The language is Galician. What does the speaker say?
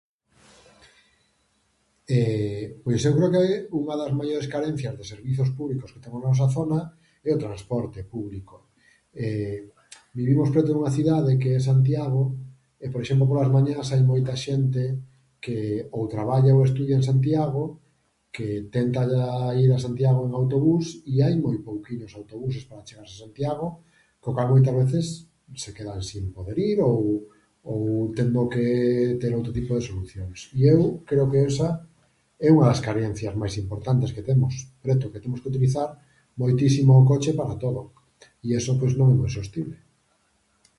Pois eu creo que unha das maiores carencias dos servizos públicos que temos na nosa zona é o transporte público. Vivimos preto dunha cidade que é Santiago e, por exemplo, polas mañás, hai moita xente que ou traballa ou estudia en Santiago que tenta ir a Santiago en autobús i hai moi pouquiños autobuses para chegarse a Santiago, co cal moitas veces se quedan sen poder ir ou ou tendo que ter outro tipo de solucións i eu creo que esa é unha das carencias máis importantes que temos, que temos que utilizar moitísimo o coche para todo i eso pois non é moi sostible.